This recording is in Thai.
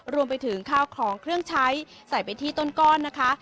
รวมไปถึงข้าวของเครื่องใช้ใส่ไปที่ต้นก้อนนะคะ